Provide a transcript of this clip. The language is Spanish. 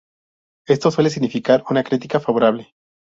Esto suele significar una crítica favorable.